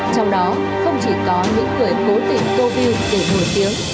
trong đó không chỉ có những người cố tình tô viêu kể nổi tiếng